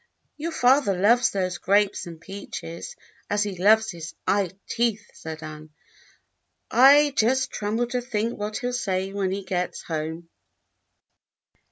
"Your father loves those grapes and peaches as he loves his eye teeth," said Ann. "I just tremble to think what he'll say when he gets home."